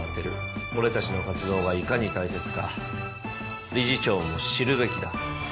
俺たちの活動がいかに大切か理事長も知るべきだ。